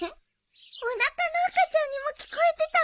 おなかの赤ちゃんにも聞こえてたのかな。